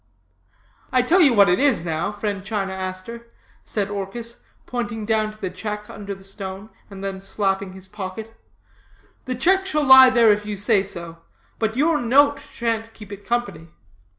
"I tell you what it is, now, friend China Aster,' said Orchis, pointing down to the check under the stone, and then slapping his pocket, 'the check shall lie there if you say so, but your note shan't keep it company.